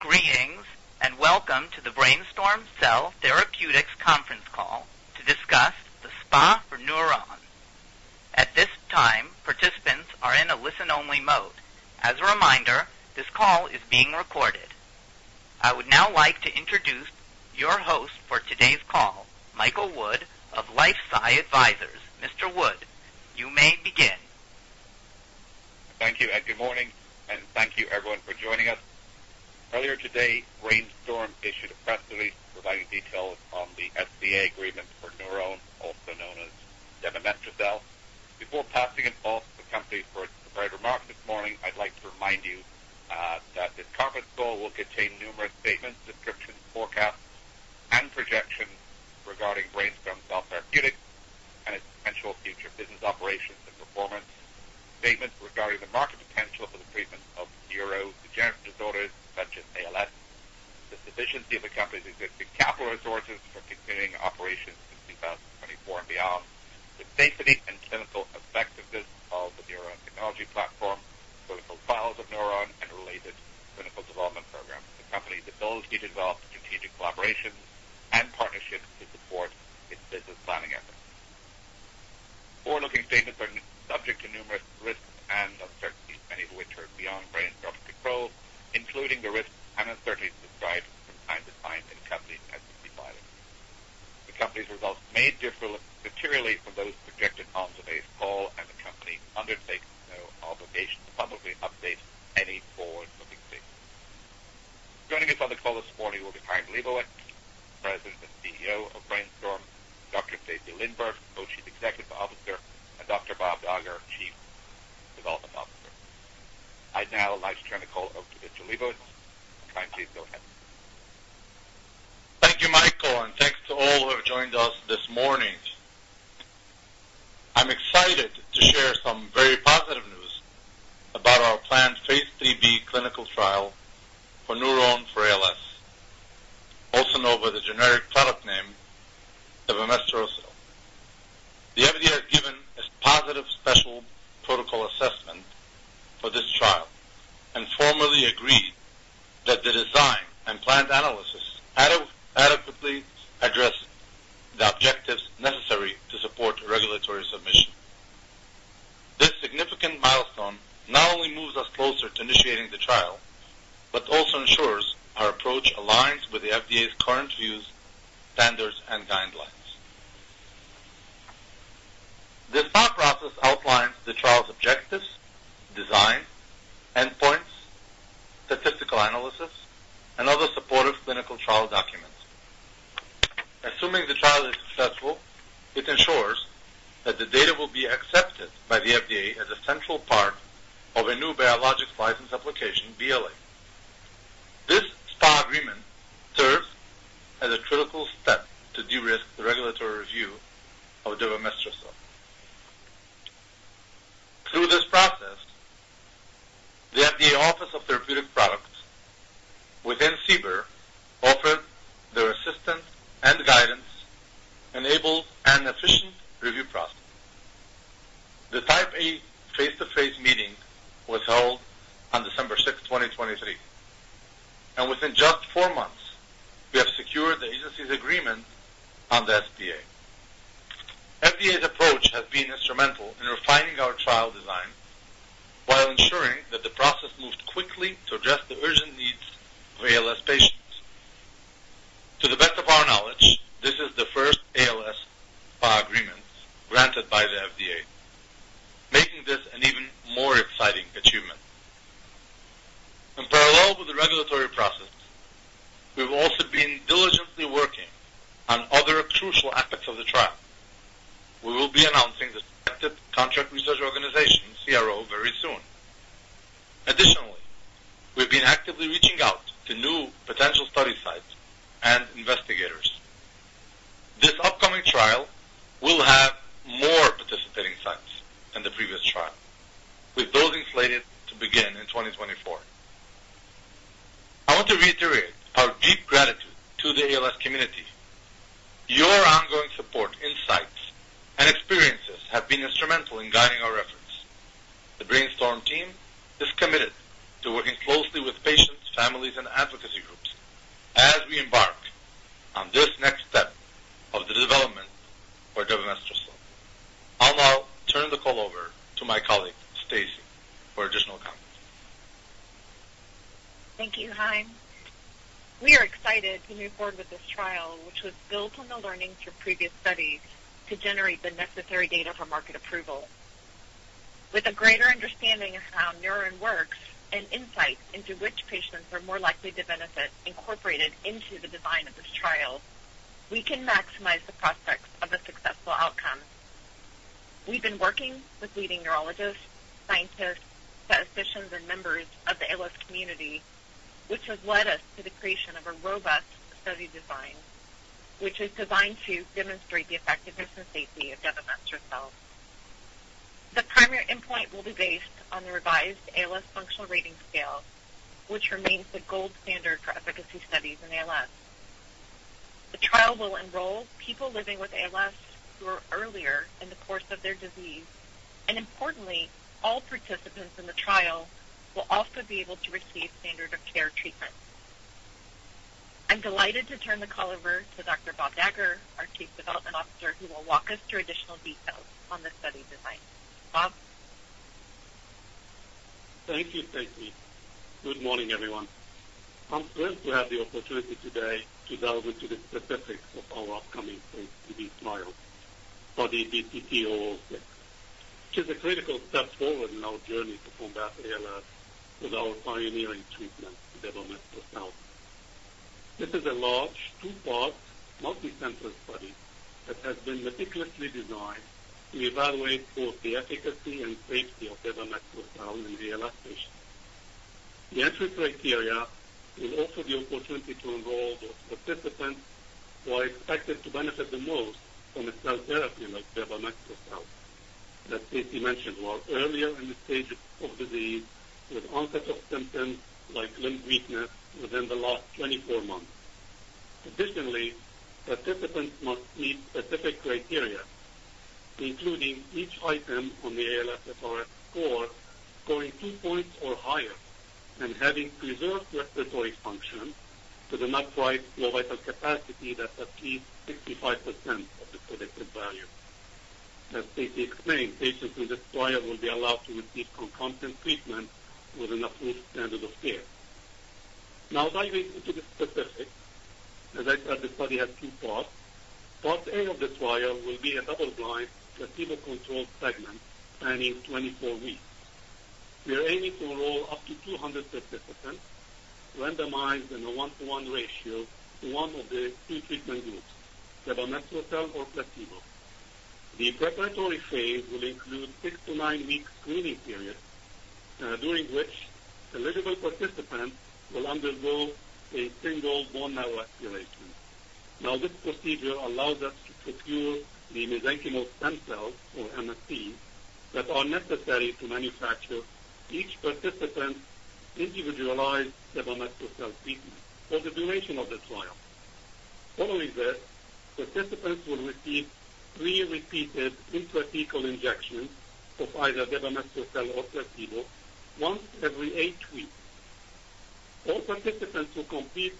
Greetings and welcome to the BrainStorm Cell Therapeutics Conference Call to discuss the SPA for NurOwn. At this time, participants are in a listen-only mode. As a reminder, this call is being recorded. I would now like to introduce your host for today's call, Michael Wood of LifeSci Advisors. Mr. Wood, you may begin. Thank you, and good morning, and thank you everyone for joining us. Earlier today, BrainStorm issued a press release providing details on the SPA agreement for NurOwn, also known as debamestrocel. Before passing it off to the company for its provided remarks this morning, I'd like to remind you that this conference call will contain numerous statements, descriptions, forecasts, and projections regarding BrainStorm Cell Therapeutics and its potential future business operations and performance. Statements regarding the market potential for the treatment of neurodegenerative disorders such as ALS, the sufficiency of the company's existing capital resources for continuing operations in 2024 and beyond, the safety and clinical effectiveness of the NurOwn technology platform, clinical trials of NurOwn, and related clinical development programs, the company's ability to develop strategic collaborations and partnerships to support its business planning efforts. Forward-looking statements are subject to numerous risks and uncertainties, many of which are beyond BrainStorm's control, including the risks and uncertainties described from time to time in the company's SEC filings. The company's results may differ materially from those projected on today's call, and the company undertakes no obligation to publicly update any forward-looking statements. Joining us on the call this morning will be Chaim Lebovits, President and CEO of BrainStorm; Dr. Stacy Lindborg, Co-Chief Executive Officer; and Dr. Bob Dagher, Chief Medical Officer. I'd now like to turn the call over to Mr. Lebovits. Chaim, please go ahead. Thank you, Michael, and thanks to all who have joined us this morning. I'm excited to share some very positive news about our planned Phase 3b clinical trial for NurOwn for ALS, also known by the generic product name debamestrocel. The FDA has given a positive Special Protocol Assessment for this trial and formally agreed that the design and planned analysis adequately address the objectives necessary to support regulatory submission. This significant milestone not only moves us closer to initiating the trial but also ensures our approach aligns with the FDA's current views, standards, and guidelines. The SPA process outlines the trial's objectives, design, endpoints, statistical analysis, and other supportive clinical trial documents. Assuming the trial is successful, it ensures that the data will be accepted by the FDA as a central part of a new Biologics License Application, BLA. This SPA agreement serves as a critical step to de-risk the regulatory review of debamestrocel. Through this process, the FDA Office of Therapeutic Products within CBER offered their assistance and guidance, enabled an efficient review process. The Type A face-to-face meeting was held on December 6, 2023, and within just four months, we have secured the agency's agreement on the SPA. FDA's approach has been instrumental in refining our trial design while ensuring that the process moved quickly to address the urgent needs of ALS patients. To the best of our knowledge, this is the first ALS SPA agreement granted by the FDA, making this an even more exciting achievement. In parallel with the regulatory process, we've also been diligently working on other crucial aspects of the trial. We will be announcing the selected contract research organization, CRO, very soon. Additionally, we've been actively reaching out community, which has led us to the creation of a robust study design which is designed to demonstrate the effectiveness and safety of debamestrocel. The primary endpoint will be based on the revised ALS Functional Rating Scale, which remains the gold standard for efficacy studies in ALS. The trial will enroll people living with ALS who are earlier in the course of their disease, and importantly, all participants in the trial will also be able to receive standard-of-care treatment. I'm delighted to turn the call over to Dr. Bob Dagher, our Chief Development Officer, who will walk us through additional details on the study design. Bob? Thank you, Stacy. Good morning, everyone. I'm thrilled to have the opportunity today to delve into the specifics of our upcoming Phase 3b trial, study BCT006, which is a critical step forward in our journey to combat ALS with our pioneering treatment, debamestrocel. This is a large, two-part, multicenter study that has been meticulously designed to evaluate both the efficacy and safety of debamestrocel in ALS patients. The entry criteria will offer the opportunity to enroll those participants who are expected to benefit the most from a cell therapy like debamestrocel that Stacy mentioned, who are earlier in the stage of disease with onset of symptoms like limb weakness within the last 24 months. Additionally, participants must meet specific criteria, including each item on the ALSFRS-R score scoring two points or higher and having preserved respiratory function of the upright slow vital capacity that's at least 65% of the predicted value. As Stacy explained, patients in this trial will be allowed to receive concomitant treatment with an approved standard of care. Now, diving into the specifics, as I said, the study has two parts. Part A of the trial will be a double-blind placebo-controlled segment spanning 24 weeks. We are aiming to enroll up to 200 participants, randomized in a one-to-one ratio to one of the two treatment groups, debamestrocel or placebo. The preparatory phase will include six- to nine-week screening periods, during which eligible participants will undergo a single bone marrow aspiration. Now, this procedure allows us to procure the mesenchymal stem cells, or MSCs, that are necessary to manufacture each participant's individualized debamestrocel treatment for the duration of the trial. Following this, participants will receive 3 repeated intrathecal injections of either debamestrocel or placebo once every 8 weeks. All participants who complete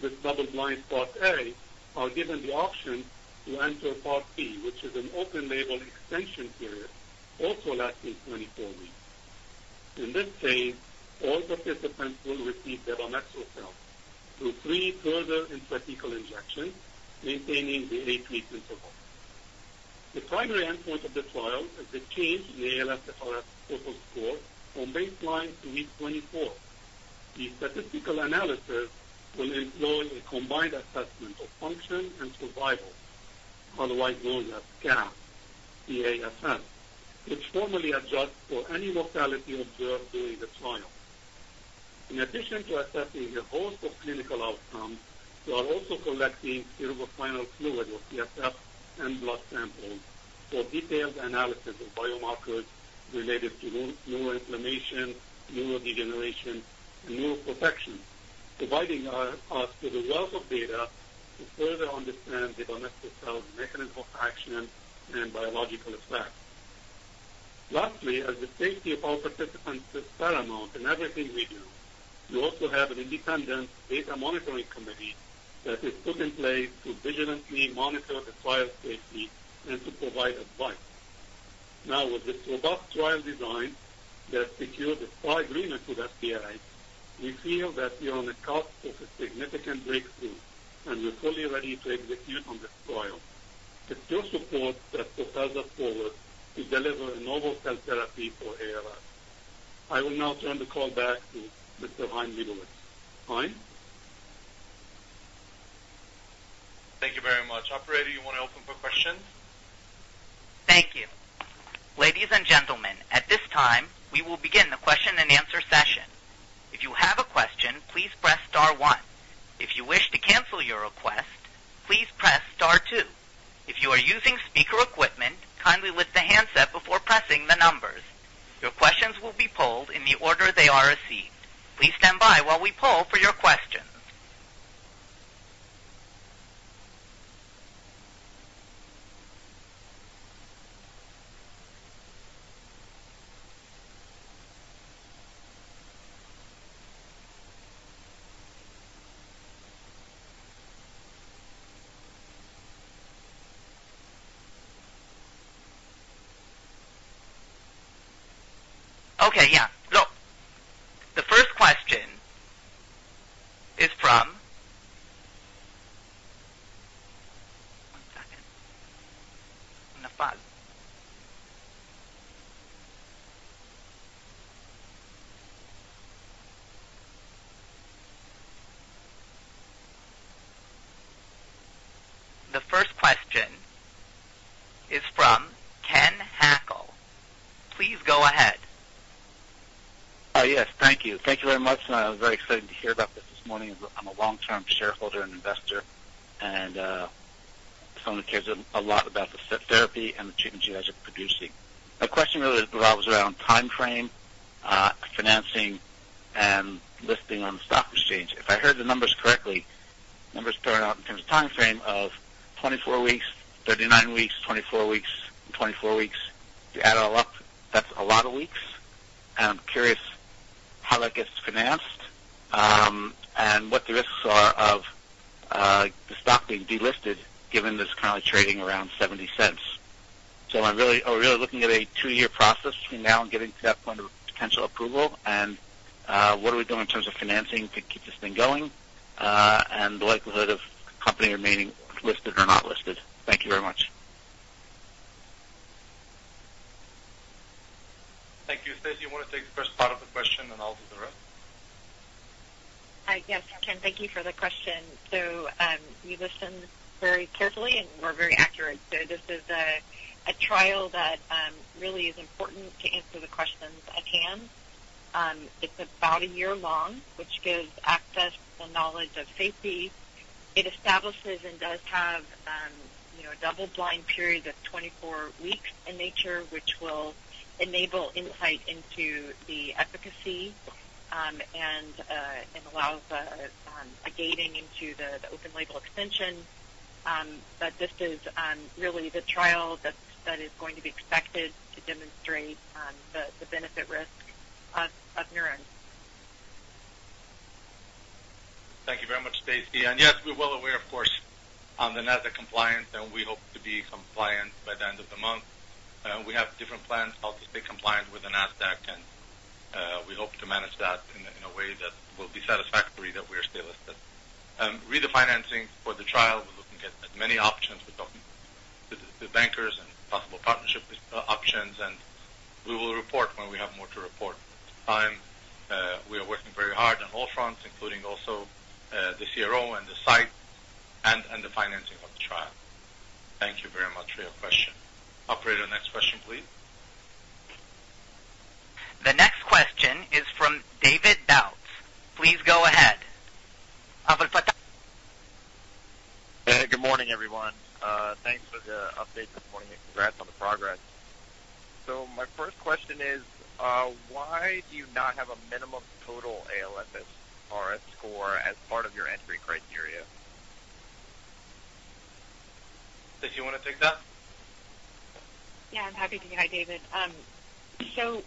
this double-blind Part A are given the option to enter Part B, which is an open-label extension period also lasting 24 weeks. In this phase, all participants will receive debamestrocel through 3 further intrathecal injections, maintaining the 8-week interval. The primary endpoint of the trial is the change in the ALSFRS total score from baseline to week 24. The statistical analysis will employ a Combined Assessment of Function and Survival, otherwise known as CAFS, which formally adjusts for any mortality observed during the trial. In addition to assessing a host of clinical outcomes, we are also collecting cerebrospinal fluid, or CSF, and blood samples for detailed analysis of biomarkers related to neuroinflammation, neurodegeneration, and neuroprotection, providing us with a wealth of data to further understand debamestrocel's mechanism of action and biological effects. Lastly, as the safety of our participants is paramount in everything we do, we also have an independent Data Monitoring Committee that is put in place to vigilantly monitor the trial safety and to provide advice. Now, with this robust trial design that secured the SPA agreement with FDA, we feel that we are on the cusp of a significant breakthrough, and we're fully ready to execute on this trial. It's your support that propels us forward to deliver a novel cell therapy for ALS. I will now turn the call back to Mr. Chaim Lebovits. Chaim? Thank you very much. Operator, you want to open for questions? Thank you. Ladies and gentlemen, at this time, we will begin the question-and-answer session. If you have a question, please press star one. If you wish to cancel your request, please press star two. If you are using speaker equipment, kindly lift the handset before pressing the numbers. Your questions will be polled in the order they are received. Please stand by while we poll for your questions. Okay, yeah. So, the first question is from one second. I'm going to pause. The first question is from Ken Hackel. Please go ahead. Oh, yes. Thank you. Thank you very much. I was very excited to hear about this this morning. I'm a long-term shareholder and investor, and someone who cares a lot about the therapy and the treatments you guys are producing. My question really revolves around timeframe, financing, and listing on the stock exchange. If I heard the numbers correctly, numbers thrown out in terms of timeframe of 24 weeks, 6 to 9 weeks, 24 weeks, and 24 weeks. If you add it all up, that's a lot of weeks. And I'm curious how that gets financed and what the risks are of the stock being delisted given it's currently trading around $0.70. Are we really looking at a two-year process between now and getting to that point of potential approval, and what are we doing in terms of financing to keep this thing going and the likelihood of the company remaining listed or not listed? Thank you very much. Thank you. Stacy, you want to take the first part of the question, and I'll do the rest? Yes, Ken. Thank you for the question. So you listened very carefully, and you were very accurate. So this is a trial that really is important to answer the questions at hand. It's about a year long, which gives access to the knowledge of safety. It establishes and does have a double-blind period of 24 weeks in nature, which will enable insight into the efficacy and allows a gating into the open-label extension. But this is really the trial that is going to be expected to demonstrate the benefit-risk of NurOwn. Thank you very much, Stacy. And yes, we're well aware, of course, of the NASDAQ compliance, and we hope to be compliant by the end of the month. We have different plans. I'll just stay compliant with the NASDAQ, and we hope to manage that in a way that will be satisfactory that we are still listed. Refinancing for the trial, we're looking at as many options. We're talking to bankers and possible partnership options, and we will report when we have more to report. At this time, we are working very hard on all fronts, including also the CRO and the site and the financing of the trial. Thank you very much for your question. Operator, next question, please. The next question is from David Bautz. Please go ahead. Hello panelists. Good morning, everyone. Thanks for the update this morning, and congrats on the progress. So my first question is, why do you not have a minimum total ALSFRS score as part of your entry criteria? Stacy, you want to take that? Yeah, I'm happy to. Hi, David. So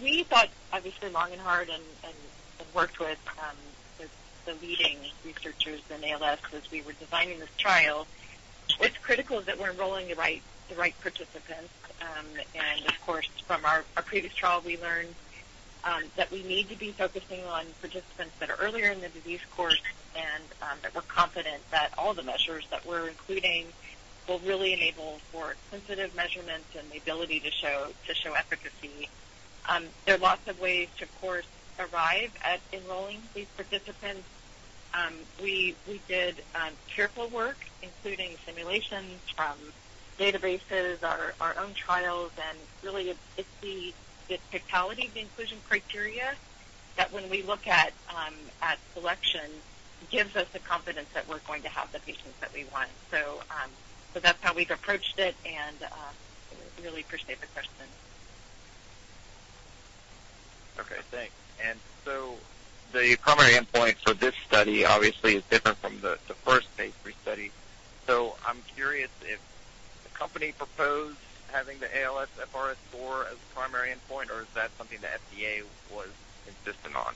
we thought, obviously, long and hard and worked with the leading researchers in ALS as we were designing this trial. It's critical that we're enrolling the right participants. And of course, from our previous trial, we learned that we need to be focusing on participants that are earlier in the disease course and that we're confident that all the measures that we're including will really enable for sensitive measurements and the ability to show efficacy. There are lots of ways to, of course, arrive at enrolling these participants. We did careful work, including simulations from databases, our own trials, and really, it's the totality of the inclusion criteria that, when we look at selection, gives us the confidence that we're going to have the patients that we want. So that's how we've approached it, and I really appreciate the question. Okay, thanks. And so the primary endpoint for this study, obviously, is different from the first Phase III study. So I'm curious if the company proposed having the ALSFRS score as the primary endpoint, or is that something the FDA was insistent on?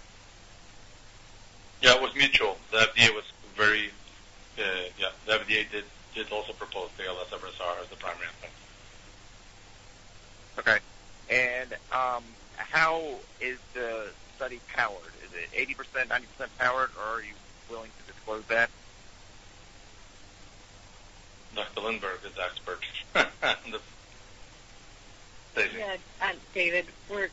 Yeah, it was mutual. The FDA did also propose the ALSFRS score as the primary endpoint. Okay. And how is the study powered? Is it 80%, 90% powered, or are you willing to disclose that? Dr. Lindborg is the expert. Stacy? Yeah, David, with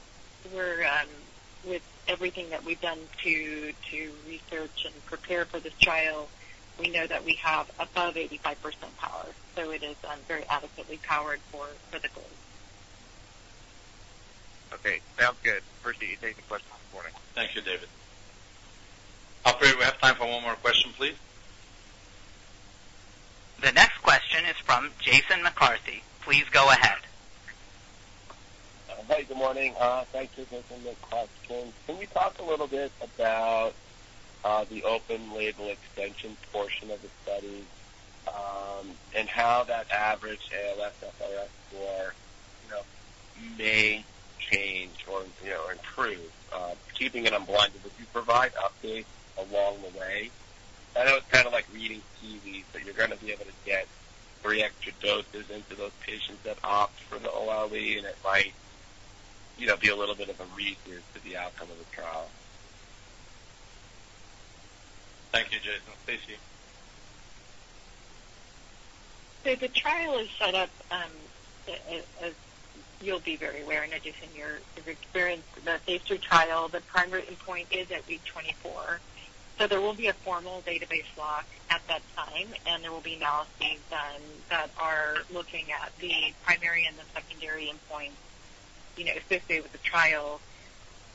everything that we've done to research and prepare for this trial, we know that we have above 85% power. So it is very adequately powered for the goals. Okay, sounds good. Appreciate you taking the question this morning. Thank you, David. Operator, we have time for one more question, please. The next question is from Jason McCarthy. Please go ahead. Hi, good morning. Thank you, Jason McCarthy. Chaim, can you talk a little bit about the open-label extension portion of the study and how that average ALSFRS score may change or improve? Keeping it unblinded, would you provide updates along the way? I know it's kind of like reading tea leaves, that you're going to be able to get 3 extra doses into those patients that opt for the OLE, and it might be a little bit of a reset to the outcome of the trial. Thank you, Jason. Stacy? So the trial is set up, as you'll be very aware in addition to your experience, the Phase III trial, the primary endpoint is at week 24. So there will be a formal database lock at that time, and there will be analyses done that are looking at the primary and the secondary endpoints associated with the trial.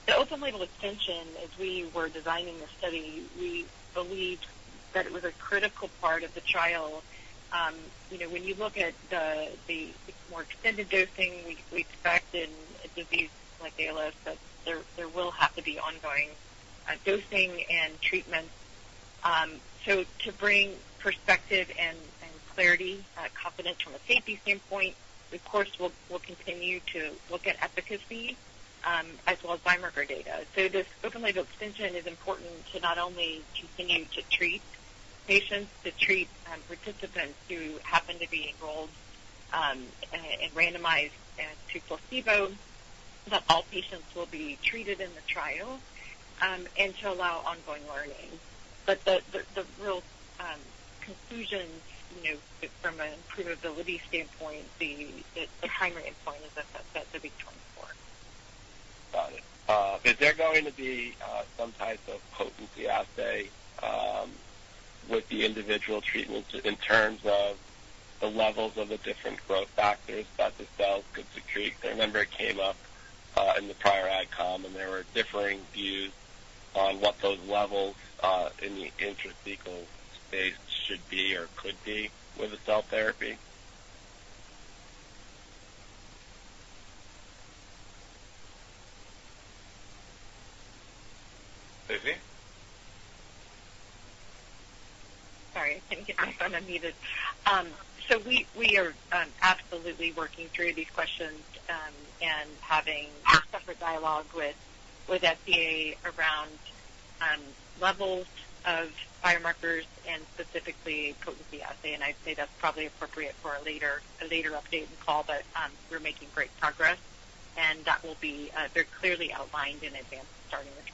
The open-label extension, as we were designing the study, we believed that it was a critical part of the trial. When you look at the more extended dosing, we expect in a disease like ALS that there will have to be ongoing dosing and treatments. So to bring perspective and clarity and confidence from a safety standpoint, of course, we'll continue to look at efficacy as well as biomarker data. So this open-label extension is important to not only continue to treat patients, to treat participants who happen to be enrolled and randomized to placebo, that all patients will be treated in the trial, and to allow ongoing learning. But the real conclusion from an improvability standpoint, the primary endpoint is at week 24. Got it. Is there going to be some type of potency assay with the individual treatments in terms of the levels of the different growth factors that the cells could secrete? I remember it came up in the prior AdCom, and there were differing views on what those levels in the intrathecal space should be or could be with the cell therapy. Stacy? Sorry, I couldn't get back on unmuted. We are absolutely working through these questions and having a separate dialogue with FDA around levels of biomarkers and specifically potency assay. I'd say that's probably appropriate for a later update and call, but we're making great progress, and that will be very clearly outlined in advance of starting the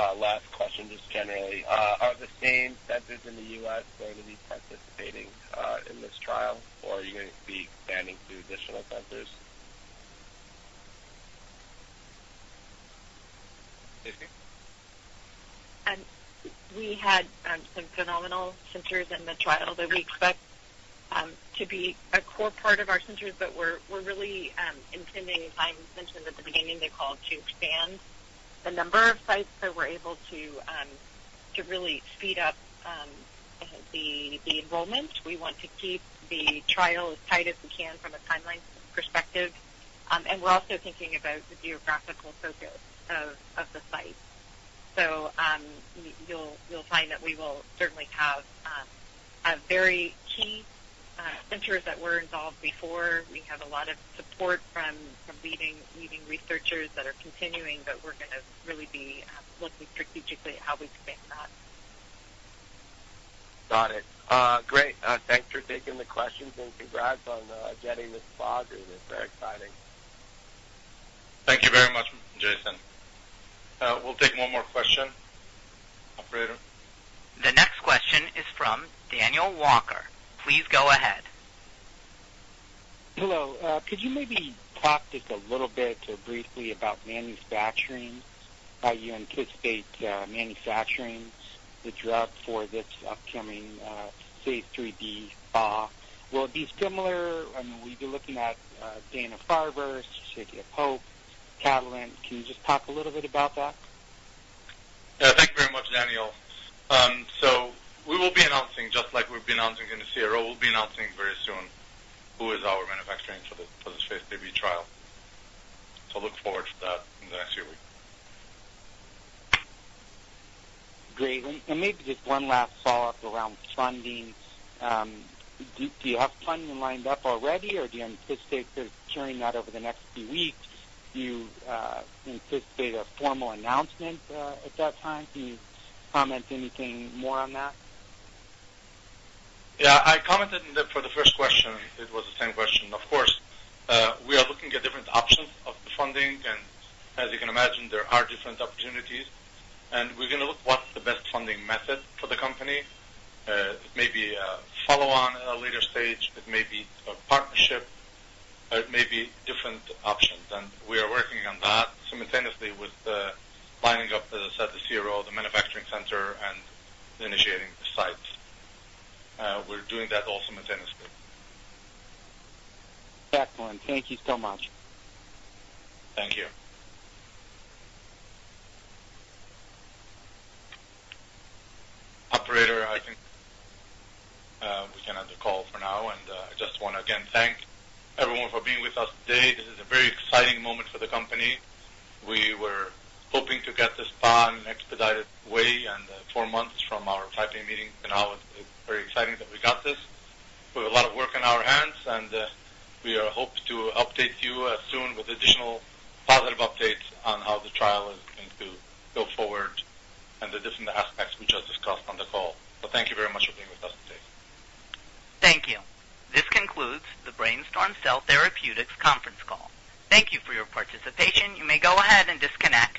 trial. Got it. Last question, just generally. Are the same centers in the U.S. going to be participating in this trial, or are you going to be expanding to additional centers? Stacy? We had some phenomenal centers in the trial that we expect to be a core part of our centers, but we're really intending, and Chaim mentioned at the beginning of the call, to expand the number of sites that we're able to really speed up the enrollment. We want to keep the trial as tight as we can from a timeline perspective, and we're also thinking about the geographical focus of the site. So you'll find that we will certainly have very key centers that were involved before. We have a lot of support from leading researchers that are continuing, but we're going to really be looking strategically at how we expand that. Got it. Great. Thanks for taking the questions, and congrats on getting this passed It's very exciting. Thank you very much, Jason. We'll take one more question. Operator? The next question is from Daniel Wolle Please go ahead. Hello. Could you maybe talk just a little bit or briefly about manufacturing? How you anticipate manufacturing the drug for this upcoming Phase 3b SPA? Will it be similar? I mean, we've been looking at Dana-Farber, City of Hope, Catalent. Can you just talk a little bit about that? Thank you very much, Daniel. So we will be announcing, just like we've been announcing in the CRO, we'll be announcing very soon who is our manufacturing for this Phase 3b trial. So look forward to that in the next few weeks. Great. Maybe just one last follow-up around funding. Do you have funding lined up already, or do you anticipate doing that over the next few weeks, you anticipate a formal announcement at that time? Ken you comment anything more on that? Yeah, I commented for the first question. It was the same question. Of course, we are looking at different options of the funding, and as you can imagine, there are different opportunities. And we're going to look at what's the best funding method for the company. It may be a follow-on at a later stage. It may be a partnership. It may be different options. And we are working on that simultaneously with lining up, as I said, the CRO, the manufacturing center, and initiating the sites. We're doing that all simultaneously. Excellent. Thank you so much. Thank you. Operator, I think we can end the call for now. I just want to, again, thank everyone for being with us today. This is a very exciting moment for the company. We were hoping to get this SPA in an expedited way in 4 months from our Type B meeting, and now it's very exciting that we got this. We have a lot of work on our hands, and we hope to update you soon with additional positive updates on how the trial is going to go forward and the different aspects we just discussed on the call. Thank you very much for being with us today. Thank you. This concludes the BrainStorm Cell Therapeutics conference call. Thank you for your participation. You may go ahead and disconnect.